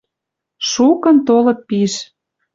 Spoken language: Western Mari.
Шукын толыт пиш.